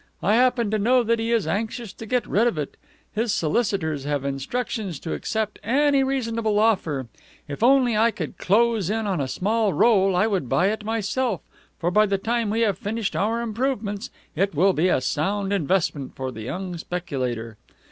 I happen to know that he is anxious to get rid of it. His solicitors have instructions to accept any reasonable offer. If only I could close in on a small roll, I would buy it myself, for by the time we have finished our improvements, it will be a sound investment for the young speculator.